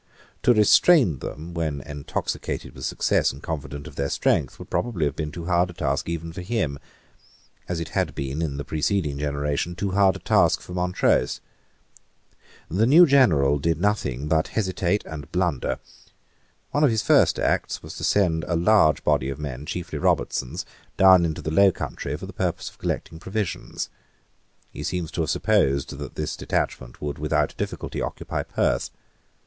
To restrain them, when intoxicated with success and confident of their strength, would probably have been too hard a task even for him, as it had been, in the preceding generation, too hard a task for Montrose. The new general did nothing but hesitate and blunder. One of his first acts was to send a large body of men, chiefly Robertsons, down into the low country for the purpose of collecting provisions. He seems to have supposed that this detachment would without difficulty occupy Perth.